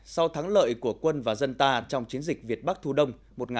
sau thắng lợi của quân và dân ta trong chiến dịch việt bắc thu đông một nghìn chín trăm bảy mươi năm